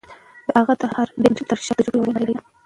د هغه د هر بیت تر شا د تجربو یوه لویه نړۍ ده.